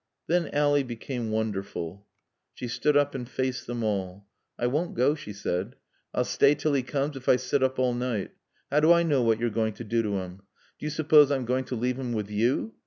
Then Ally became wonderful. She stood up and faced them all. "I won't go," she said. "I'll stay till he comes if I sit up all night. How do I know what you're going to do to him? Do you suppose I'm going to leave him with you?